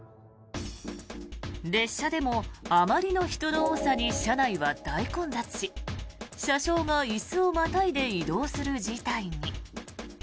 列車でもあまりの人の多さに車内は大混雑し車掌が椅子をまたいで移動する事態に。